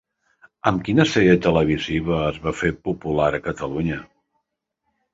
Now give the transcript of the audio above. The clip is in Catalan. Amb quina sèrie televisiva es va fer popular a Catalunya?